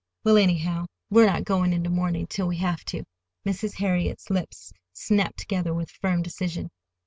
"Well, anyhow, we're not going into mourning till we have to." Mrs. Harriet's lips snapped together with firm decision.